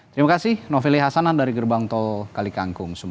terima kasih novely hasanan dari gerbang tol kalikangkung